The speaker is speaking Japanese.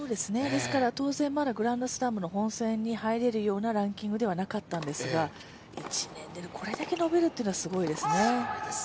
当然、まだグランドスラムの本戦に入れるようなランキングではなかったんですが、１年でこれだけ伸びるというのはすごいですね。